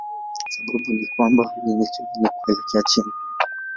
Sababu ni kwamba unyenyekevu ni kuelekea chini.